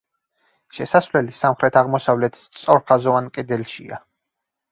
შესასვლელი სამხრეთ-აღმოსავლეთ სწორხაზოვან კედელშია.